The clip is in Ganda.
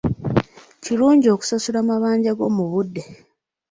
Kirungi okusasula amabanja go mu budde.